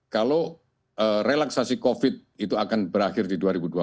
kalau relaksasi covid itu akan berakhir di dua ribu dua puluh